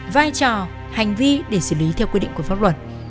vai trò hành vi để xử lý theo quy định của pháp luật